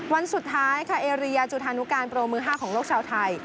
วันสุดท้ายค่ะเอเรียจุธานุการโปรมือ๕ของโลกชาวไทย